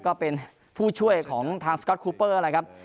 ก็เป็นผู้ช่วยของทางสก๊อตคูเปอร์นะครับ